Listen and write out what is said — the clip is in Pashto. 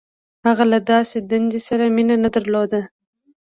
• هغه له داسې دندې سره مینه نهدرلوده.